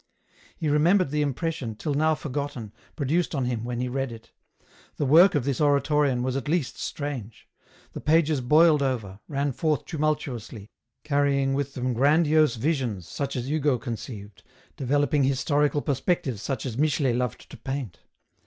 He remembered the impression, till now forgotten, produced on him when he read it. The work of this Oratorian was at least strange. The pages boiled over, ran forth tumultuously, carrying with them grandiose visions, such as Hugo conceived, developing historical perspectives such as Michelet loved to paint.